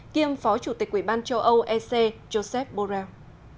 kiêm phó chủ tịch ủy ban châu âu ec joseph borrell